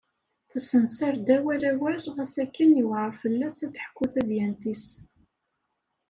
Tessensar-d awal awal ɣas akken yuɛer fell-as ad d-teḥku tadyant-is.